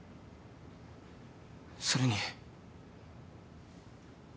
それに。